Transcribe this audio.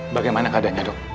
bagaimana keadaannya dok